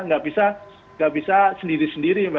nggak bisa sendiri sendiri